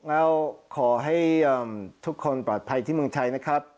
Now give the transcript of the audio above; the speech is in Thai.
แล้วขอให้ทุกคนปลอดภัยที่เมืองไทยนะครับ